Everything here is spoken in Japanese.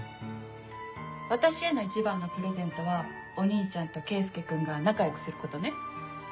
私への一番のプレゼントはお兄ちゃんと圭介君が仲良くすることね。